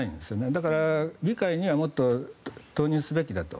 だから、議会にはもっと投入すべきだと。